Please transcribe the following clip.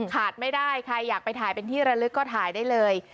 ขาดไม่ได้ใครอยากไปถ่ายเป็นที่ระลึกก็ถ่ายได้เลย